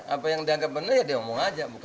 apa yang dianggap benar ya dia ngomong aja